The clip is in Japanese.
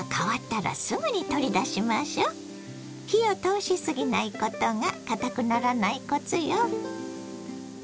火を通し過ぎないことがかたくならないコツよ。